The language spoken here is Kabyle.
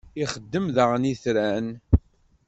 ixdem daɣen itran.